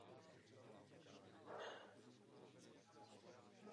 Coby jednotka délky v Čechách sloužila zrna z ječmene.